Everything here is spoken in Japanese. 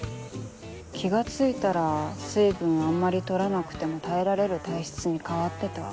気が付いたら水分をあんまり取らなくても耐えられる体質に変わってた。